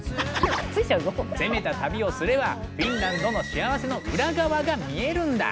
攻めた旅をすればフィンランドの幸せの裏側が見えるんだ。